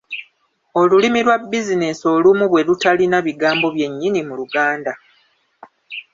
Olulimi lwa bizinensi olumu bwe lutalina bigambo byennyini mu luganda.